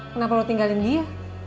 kenapa lo tinggalin dia